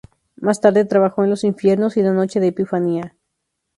Más tarde trabajó en "Los infiernos" y "La noche de Epifanía".